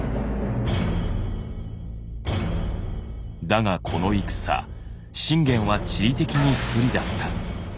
だがこの戦信玄は地理的に不利だった。